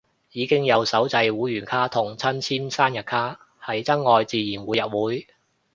已經有手製會員卡同親簽生日卡，係真愛自然會入會